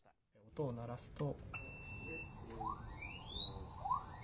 音を鳴らすと。